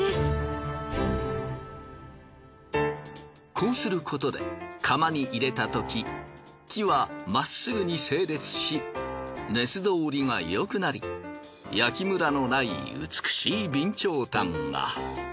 こうすることで窯に入れた時木はまっすぐに整列し熱通りがよくなり焼きムラのない美しい備長炭が。